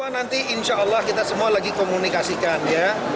nanti insya allah kita semua lagi komunikasikan ya